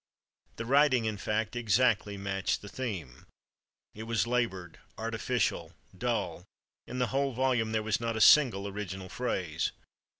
The writing, in fact, exactly matched the theme. It was labored, artificial, dull. In the whole volume there was not a single original phrase.